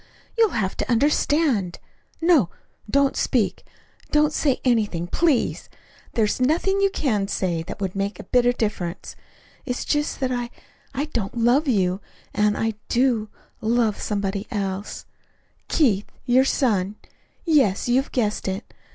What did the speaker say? You'll have to understand. No don't speak, don't say anything, please. There's nothing you could say that that would make a bit of difference. It's just that I I don't love you and I do love somebody else Keith, your son yes, you have guessed it.